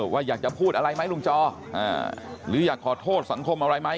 ว่าอยากจะพูดอะไรไหมลุงจอหรืออยากขอโทษสังคมอะไรไหม